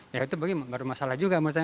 ya itu bagi baru masalah